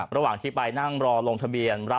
ระหว่างที่ไปนั่งรอลงทะเบียน